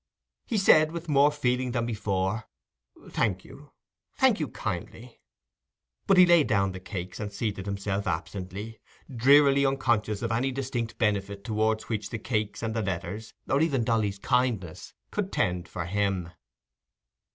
He said, with more feeling than before—"Thank you—thank you kindly." But he laid down the cakes and seated himself absently—drearily unconscious of any distinct benefit towards which the cakes and the letters, or even Dolly's kindness, could tend for him.